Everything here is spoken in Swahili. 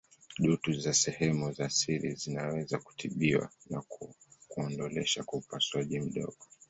Dutu za sehemu za siri zinaweza kutibiwa na kuondolewa kwa upasuaji mdogo.